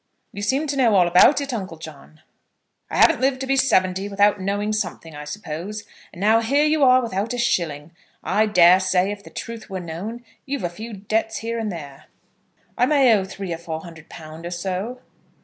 "You seem to know all about it, Uncle John." "I haven't lived to be seventy without knowing something, I suppose. And now here you are without a shilling. I dare say, if the truth were known, you've a few debts here and there." "I may owe three or four hundred pounds or so."